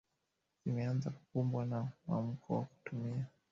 zimeanza kukumbwa na mwamko wa kutumia